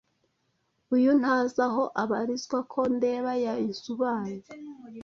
Uyu Ntazi aho abarizwa ko ndeba yazubaye